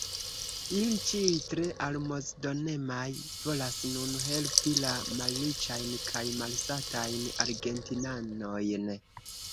Ili ĉiuj, tre almozdonemaj, volas nun helpi la malriĉajn kaj malsatajn argentinanojn.